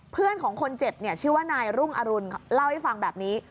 เพื่อนของคนเจ็บเนี่ยชื่อว่านายรุ่งอรุณเล่าให้ฟังแบบนี้